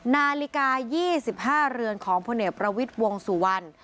นาฬิกา๒๕เรือนของพลเอกประวิทย์วงสุวรรณ